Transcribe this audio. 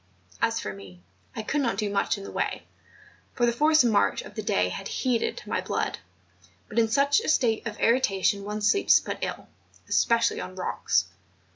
As for me, I could not do much in that way, for the forced march of the day had heated my blood; and in such a state of irritation one sleeps but ill, especially on rocks.